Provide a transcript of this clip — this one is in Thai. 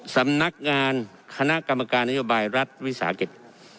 สำนักงานคณะกรรมการนโยบายรัฐวิสาหกิจ